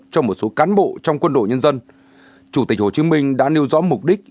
cho một số cán bộ trong quân đội nhân dân chủ tịch hồ chí minh đã nêu rõ mục đích